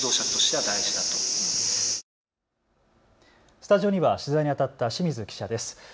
スタジオには取材にあたった清水記者です。